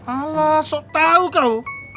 alah sok tau kau